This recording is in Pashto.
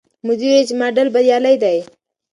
مدیر وویل چې ماډل بریالی دی.